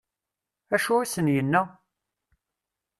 Acu i sen-yenna?